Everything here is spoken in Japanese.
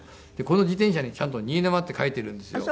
この自転車にちゃんと「新沼」って書いてるんですよ。